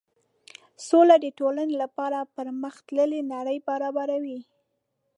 سوله د ټولنې لپاره پرمخ تللې نړۍ برابروي.